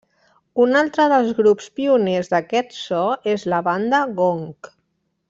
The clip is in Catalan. Un altre dels grups pioners d'aquest so és la banda Gong.